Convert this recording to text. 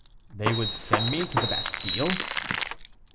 "They would send me to the Bastile?"